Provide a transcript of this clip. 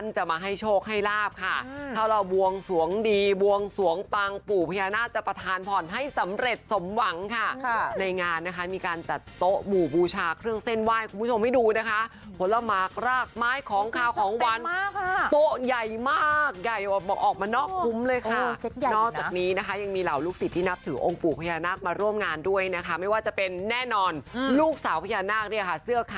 จะมาให้โชคให้ลาบค่ะถ้าเราบวงสวงดีบวงสวงปังปู่พญานาคจะประทานผ่อนให้สำเร็จสมหวังค่ะในงานนะคะมีการจัดโต๊ะหมู่บูชาเครื่องเส้นไหว้คุณผู้ชมให้ดูนะคะผลมากรากไม้ของขาวของวันโต๊ะใหญ่มากใหญ่ออกมานอกคุ้มเลยค่ะนอกจากนี้นะคะยังมีเหล่าลูกศิษย์ที่นับถือองค์ปู่พญานาคมาร่วมงานด้วยนะคะไม่ว่าจะเป็นแน่นอนลูกสาวพญานาคเนี่ยค่ะเสื้อค